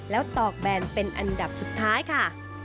แล้วตอกแบนเป็นอันดับสุดท้ายค่ะ